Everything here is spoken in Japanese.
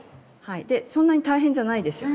そんなに大変じゃないですよね？